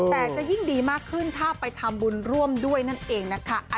แต่จะยิ่งดีมากขึ้นถ้าไปทำบุญร่วมด้วยนั่นเองนะคะ